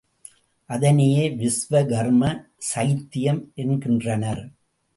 அதனையே விஸ்வ கர்ம சைத்தியம் என்கின்றனர்.